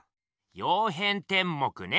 「曜変天目」ね！